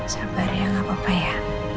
sabar ya nggak apa apa ya